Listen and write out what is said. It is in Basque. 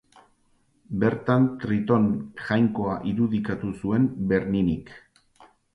Bertan Triton jainkoa irudikatu zuen Berninik.